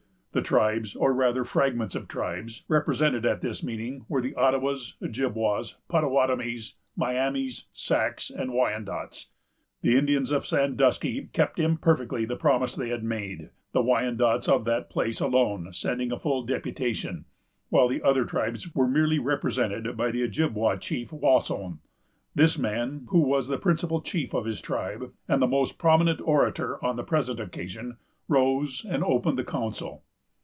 The tribes, or rather fragments of tribes, represented at this meeting, were the Ottawas, Ojibwas, Pottawattamies, Miamis, Sacs, and Wyandots. The Indians of Sandusky kept imperfectly the promise they had made, the Wyandots of that place alone sending a full deputation; while the other tribes were merely represented by the Ojibwa chief Wasson. This man, who was the principal chief of his tribe, and the most prominent orator on the present occasion, rose and opened the council.